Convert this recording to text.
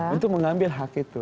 untuk mengambil hak itu